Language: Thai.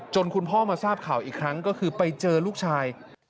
คุณพ่อมาทราบข่าวอีกครั้งก็คือไปเจอลูกชาย